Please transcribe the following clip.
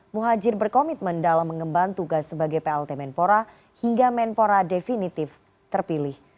muhajir berkomitmen dalam mengemban tugas sebagai plt menpora hingga menpora definitif terpilih